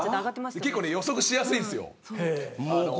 結構、予測しやすいんですよ。